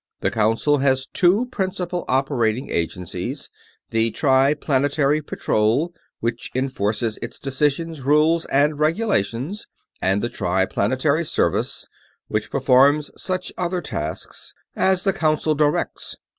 The Council has two principal operating agencies; the Triplanetary Patrol, which enforces its decisions, rules, and regulations, and the Triplanetary Service, which performs such other tasks as the Council directs.